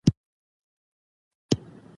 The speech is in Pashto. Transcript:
زه د سهار روښانه اسمان خوښوم.